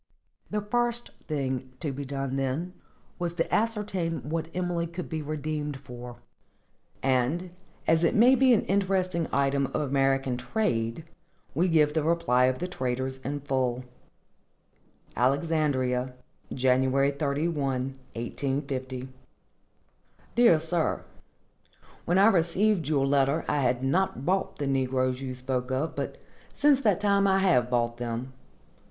The first thing to be done, then, was to ascertain what Emily could be redeemed for; and, as it may be an interesting item of American trade, we give the reply of the traders in full: Alexandria, Jan. 31, 1850. DEAR SIR: When I received your letter I had not bought the negroes you spoke of, but since that time I have bought them.